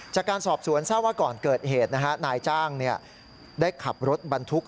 จากการสอบสวนทราบว่าก่อนเกิดเหตุนายจ้างได้ขับรถบรรทุก